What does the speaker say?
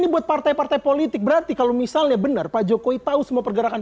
ini buat partai partai politik berarti kalau misalnya benar pak jokowi tahu semua pergerakan